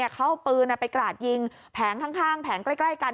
เขาเอาปืนไปกราดยิงแผงข้างแผงใกล้กัน